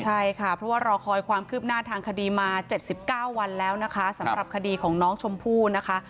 ใช่ค่ะเพราะว่ารอคอยความคืบหน้าทางคดีมา๗๙วันแล้วนะคะสำหรับคดีของน้องชมพู่นะคะ